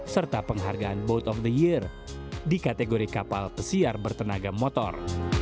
serta penghargaan boat of the year di kategori kapal pesiar bertenaga motor